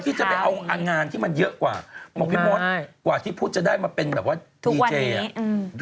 แต่วันนี้เขาได้มาเป็นดีเจย์ปุ๊บ